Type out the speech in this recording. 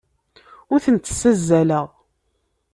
Ur tent-ssazzaleɣ.